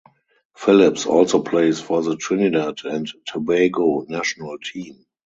Phillips also plays for the Trinidad and Tobago national team.